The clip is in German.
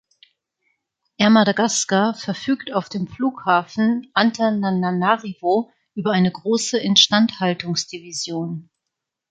Air Madagascar verfügt auf dem Flughafen Antananarivo über eine große Instandhaltungs-Division.